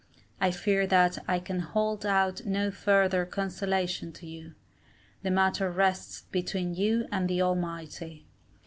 I fear that I can hold out no further consolation to you the matter rests between you and the Almighty.